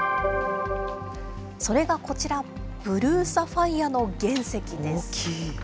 それがこちら、ブルーサファイア大きい。